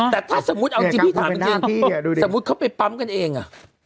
แต่ถ้าสมมุติเอาจริงพี่ถามจริงสมมุติเขาไปปั๊มกันเองอ่ะ